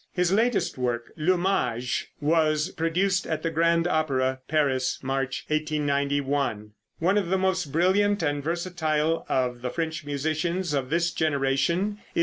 His latest work, "Le Mage," was produced at the Grand Opera, Paris, March, 1891. One of the most brilliant and versatile of the French musicians of this generation is M.